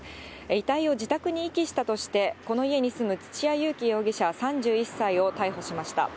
遺体を自宅に遺棄したとして、この家に住む土屋勇貴容疑者３１歳を逮捕しました。